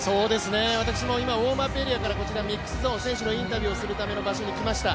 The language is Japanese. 私もウォームアップエリアからミックスゾーン、選手のインタビューをするための場所に来ました。